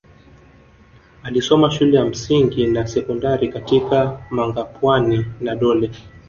Alisoma shule ya msingi na sekondari katika Mangapwani na Dole